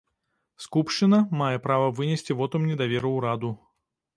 Скупшчына мае права вынесці вотум недаверу ўраду.